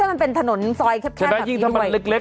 ยิ่งถ้ามันเป็นถนนซอยแคบแบบนี้ด้วยใช่ไหมยิ่งถ้ามันเล็ก